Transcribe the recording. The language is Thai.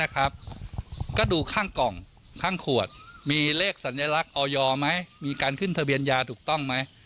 ก็ดูข้างกล่องข้างขวดมีเลขสัญลักษณ์ออยไหมมีการขึ้นทะเบียนยาถูกต้องไหม